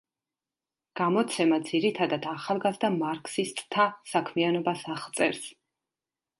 გამოცემა ძირითადად ახალგაზრდა მარქსისტთა საქმიანობას აღწერს.